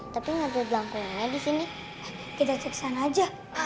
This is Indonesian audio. tapi gak ada jangkauannya disini kita cek disana aja